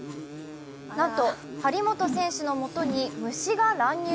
なんと、張本選手のもとに虫が乱入。